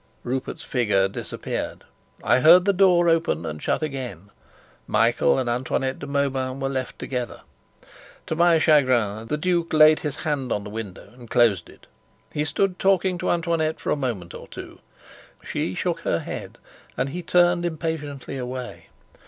Rupert's figure disappeared. I heard the door open and shut again. Michael and Antoinette de Mauban were left together. To my chagrin, the duke laid his hand on the window and closed it. He stood talking to Antoinette for a moment or two. She shook her head, and he turned impatiently away.